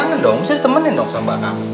jangan dong bisa ditemenin dong sama mbak kamu